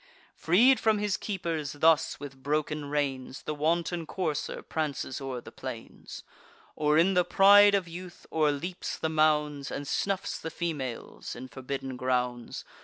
Freed from his keepers, thus, with broken reins, The wanton courser prances o'er the plains, Or in the pride of youth o'erleaps the mounds, And snuffs the females in forbidden grounds.